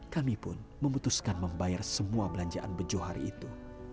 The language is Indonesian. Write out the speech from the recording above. kami pun memutuskan membayar semua belanjaan bejo hari itu